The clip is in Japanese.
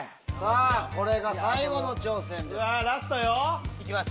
これが最後の挑戦です。